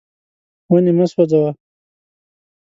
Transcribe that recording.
ونې مه سوځوه.